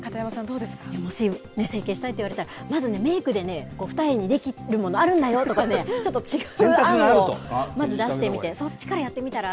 もし整形したいっていわれたら、まずね、メークでね、二重にできるものあるんだよとかね、ちょっと違うものを、まず出してみて、そっちからやってみたら？